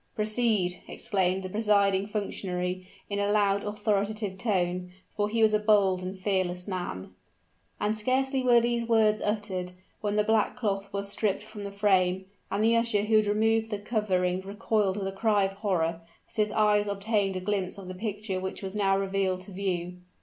"Proceed!" exclaimed the presiding functionary in a loud authoritative tone; for he was a bold and fearless man. And scarcely were these word uttered, when the black cloth was stripped from the frame; and the usher who had removed the covering recoiled with a cry of horror, as his eyes obtained a glimpse of the picture which was now revealed to view.